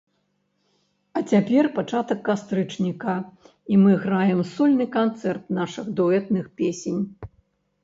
А цяпер пачатак кастрычніка, і мы граем сольны канцэрт нашых дуэтных песень.